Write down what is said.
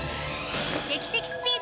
劇的スピード！